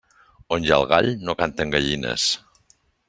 On hi ha el gall, no canten gallines.